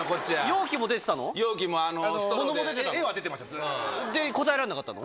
容器も出てたの？